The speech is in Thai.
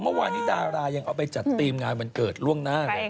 เมื่อวานนี้ดารายังเอาไปจัดทีมงานวันเกิดล่วงหน้าเลย